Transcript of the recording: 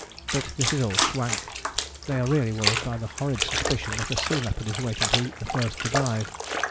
But this is all swank: they are really worried by a horrid suspicion that a sea leopard is waiting to eat the first to dive.